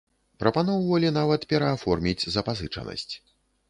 Прапаноўвалі нават перааформіць запазычанасць.